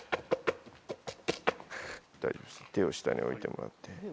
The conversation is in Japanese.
大丈夫です手を下に置いてもらって。